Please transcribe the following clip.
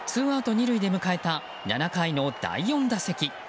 ２塁で迎えた７回の第４打席。